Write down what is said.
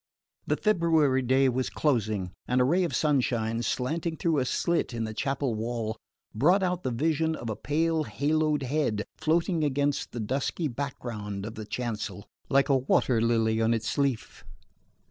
The February day was closing, and a ray of sunshine, slanting through a slit in the chapel wall, brought out the vision of a pale haloed head floating against the dusky background of the chancel like a water lily on its leaf.